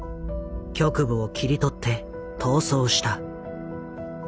局部を切り取って逃走した。